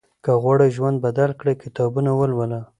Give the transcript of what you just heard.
که غواړې ژوند بدل کړې، کتابونه ولوله.